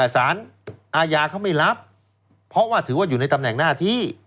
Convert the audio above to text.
สารอาญาเขาไม่รับเพราะว่าถือว่าอยู่ในตำแหน่งหน้าที่